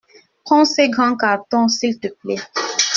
Prends ces grands cartons, s'il te plaît.